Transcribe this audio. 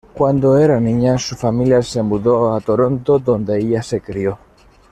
Cuando era niña su familia se mudó a Toronto, donde ella se crio.